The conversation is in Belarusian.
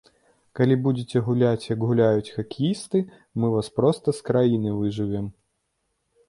Калі будзеце гуляць, як гуляюць хакеісты, мы вас проста з краіны выжывем.